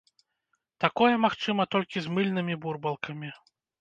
Такое магчыма толькі з мыльнымі бурбалкамі.